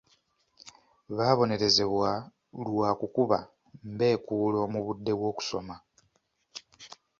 Baabonerezebwa lwa kukuba mbeekuulo mu budde bw'okusoma.